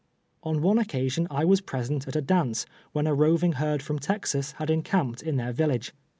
On one occasion I was present at a dance, when a roving herd from Texas had encamped in their village.